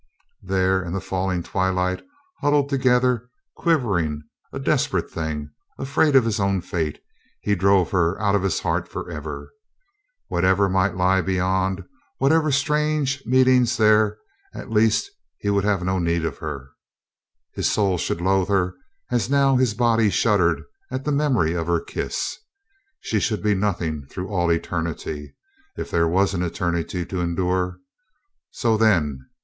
... There in the falling twilight, huddled together, quivering, a desperate thing, afraid of his own fate, he drove her out of his heart for ever. Whatever might lie beyond, whatever strange meetings there, at least he would have no need of her. His soul should loathe her as now his body shuddered at the memory of her kiss. She should be nothing through all eternity, if there was an eternity to endure. So then.